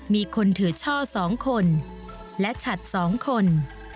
มีคนถือช่อ๒คนและฉัด๒คน